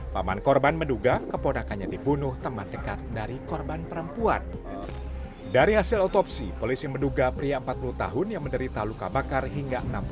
paman korban menduga keponakannya dibunuh teman dekat dari korban perempuan